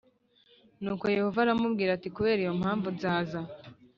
Nuko Yehova aramubwira ati kubera iyo mpamvu nzaza